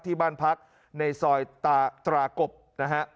ที่บ้านพักในซอยตราตรากบนะฮะ